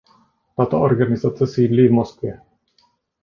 Tato organizace sídlí v Moskvě.